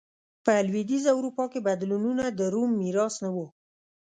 په لوېدیځه اروپا کې بدلونونه د روم میراث نه و.